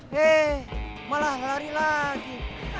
hei malah lari lagi